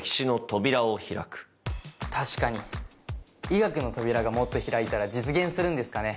医学の扉がもっと開いたら実現するんですかね？